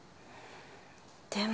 でも。